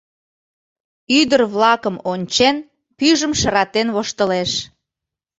Ӱдыр-влакым ончен, пӱйжым шыратен воштылеш.